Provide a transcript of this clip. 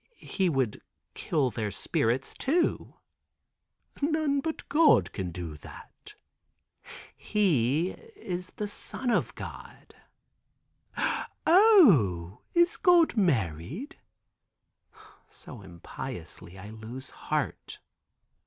"He would kill their spirits, too." "None but God can do that." "He is the Son of God." "O, is God married?" so impiously, I lose heart.